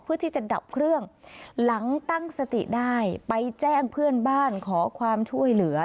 เพื่อที่จะดับเครื่องหลังตั้งสติได้ไปแจ้งเพื่อนบ้านขอความช่วยเหลือ